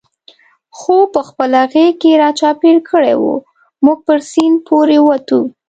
خوپ په خپله غېږ کې را چاپېر کړی و، موږ پر سیند پورې وتو.